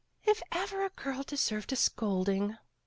"If ever a girl deserved a scolding!"